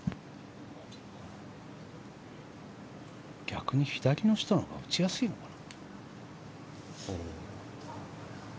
逆に左の人のほうが打ちやすいのかな。